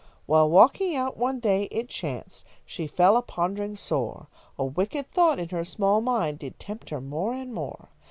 While walking out one day, it chanced She fell a pondering sore. A wicked thought in her small mind Did tempt her more and more.